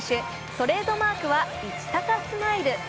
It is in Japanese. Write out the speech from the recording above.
トレードマークはイチタカスマイル。